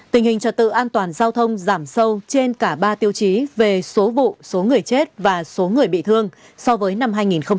tình hình trật tự an toàn giao thông giảm sâu trên cả ba tiêu chí về số vụ số người chết và số người bị thương so với năm hai nghìn một mươi tám